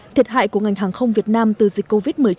thiệt hại của ngành hàng không việt nam từ dịch covid một mươi chín